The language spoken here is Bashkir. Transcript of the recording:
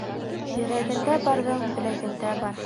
Йөрәгендә барҙың беләгендә бар.